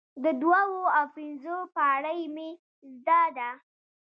د دوو او پنځو پاړۍ مې زده ده،